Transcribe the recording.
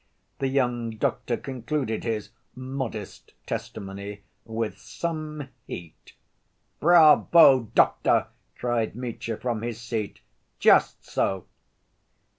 The young doctor concluded his "modest" testimony with some heat. "Bravo, doctor!" cried Mitya, from his seat, "just so!"